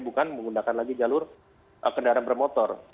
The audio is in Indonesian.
bukan menggunakan lagi jalur kendaraan bermotor